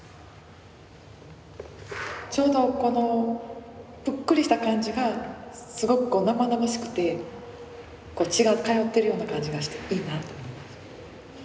ちょうどこのぷっくりした感じがすごく生々しくて血が通ってるような感じがしていいなと思います。